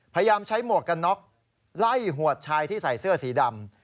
พยายามใช้หมวกกันน็อกไล่หวดชายที่ใส่เสื้อสีดำ